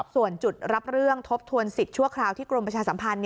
ส่วนจุดรับเรื่องทบทวนสิทธิ์ชั่วคราวที่กรมประชาสัมพันธ์